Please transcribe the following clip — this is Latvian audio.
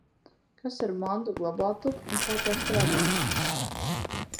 Kas ir mantu glabātuve un kā tā strādā?